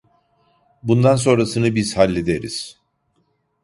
Bundan sonrasını biz hallederiz.